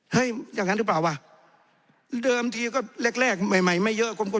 เฮ้ยอย่างนั้นหรือเปล่าว่ะเดิมทีก็แรกใหม่ไม่เยอะ